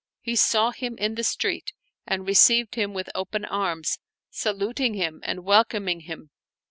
He saw him in the street and received him with open arms, saluting him and welcoming him.